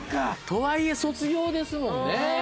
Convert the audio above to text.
とはいえ卒業ですもんね。